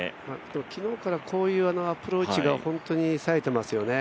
昨日からこういうアプローチが本当にさえてますよね。